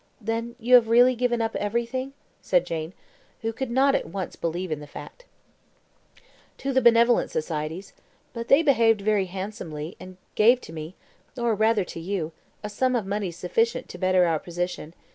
Then you have really given up everything?" said Jane, who could not at once believe in the fact. "To the benevolent societies. But they behaved very handsomely, and gave to me or rather, to you a sum of money sufficient to better our position.